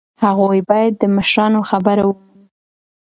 هغوی باید د مشرانو خبره ومني.